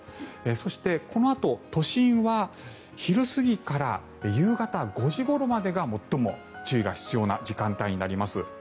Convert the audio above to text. そして、このあと都心は昼過ぎから夕方５時ごろまでが最も注意が必要な時間帯になります。